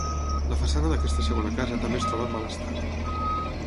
La façana d'aquesta segona casa també es troba en mal estat.